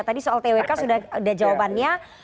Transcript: tadi soal twk sudah ada jawabannya